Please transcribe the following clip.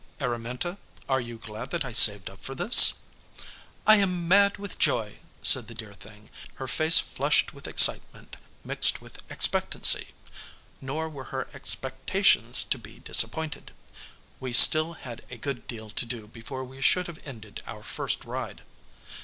"Araminta, are you glad that I saved up for this?" "I am mad with joy," said the dear thing, her face flushed with excitement mixed with expectancy. Nor were her expectations to be disappointed. We still had a good deal to do before we should have ended our first ride.